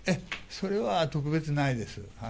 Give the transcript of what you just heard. それは特別ないです。